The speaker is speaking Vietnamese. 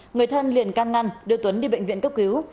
người thân liền can ngăn đưa tuấn đi bệnh viện cấp cứu